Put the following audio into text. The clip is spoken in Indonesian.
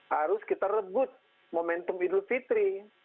harus kita rebut momentum idul fitri